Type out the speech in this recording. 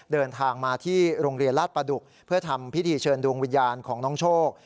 เดินทางมาที่โรงเรียนลาดประดุกเพื่อทำพิธีเชิญดวงวิญญาณของน้องโชค